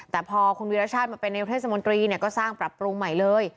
แต่พอคุณวิรัชชาติมาไปในเทศมนตรีเนี่ยก็สร้างปรับปรุงใหม่เลย